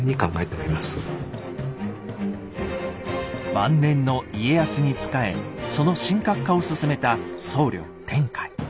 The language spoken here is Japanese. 晩年の家康に仕えその神格化を進めた僧侶・天海。